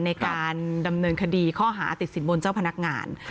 ในการดำเนินคดีข้อหาติดสินบนเจ้าพนักงาน